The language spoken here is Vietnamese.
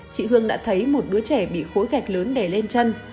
chị hương đã thấy một đứa trẻ bị khối gạch lớn đè lên chân